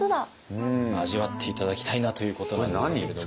味わって頂きたいなということなんですけれども。